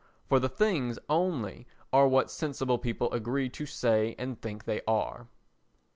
For the things only are what sensible people agree to say and think they are.